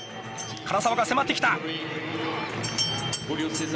唐澤が迫ってきた！